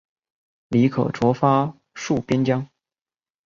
李可灼发戍边疆。